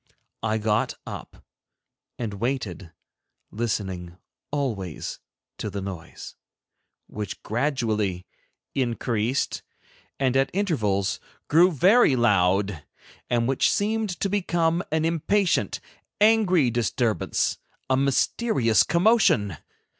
I got up and waited, listening always to the noise, which gradually increased, and at intervals grew very loud, and which seemed to become an impatient, angry disturbance, a mysterious commotion.